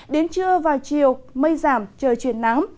đến trưa vào chiều mây giảm trời chuyển nắng